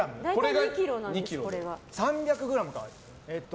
３００ｇ？